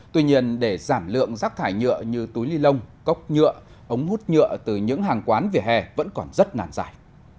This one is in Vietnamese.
tuy nhiên để giảm lượng rác thải nhựa như túi ly lông cốc nhựa ống hút nhựa từ những hàng quán vỉa hè vẫn còn rất nàn dài